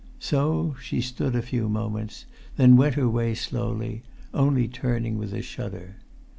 So she stood a few moments, then went her way slowly, only turning with a shudder.